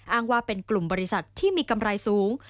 อ้างว่าเป็นกลุ่มบริษัทที่มีกำไรสูง